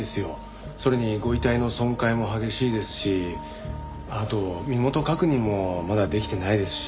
それにご遺体の損壊も激しいですしあと身元確認もまだできてないですし。